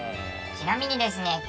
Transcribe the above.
ちなみにですね